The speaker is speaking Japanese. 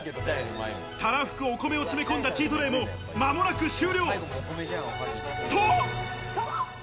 たらふく、お米を詰め込んだチートデイも間もなく終了、と！